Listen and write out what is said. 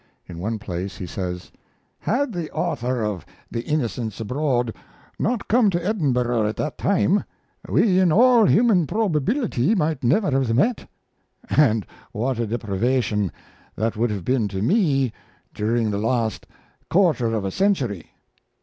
In one place he says: Had the author of The Innocents Abroad not come to Edinburgh at that time we in all human probability might never have met, and what a deprivation that would have been to me during the last quarter of a century!